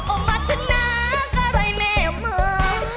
โอ้มัธนากลายแม่มา